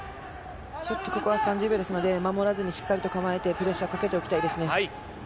ここは３０秒ですので守らずにしっかりとプレッシャーをかけていきたいですね。